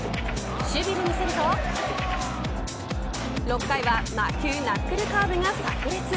守備で見せると６回は魔球ナックルカーブがさく裂。